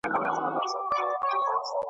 په دې دوه رنګه دنیا کي هرڅه کیږي `